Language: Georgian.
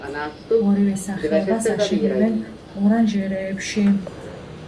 ორივე სახეობას აშენებენ ორანჟერეებში.